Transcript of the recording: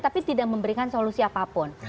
tapi tidak memberikan solusi apapun